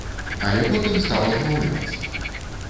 Але потым стаў адмаўляцца.